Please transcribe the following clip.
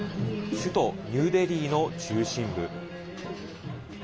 首都ニューデリーの中心部。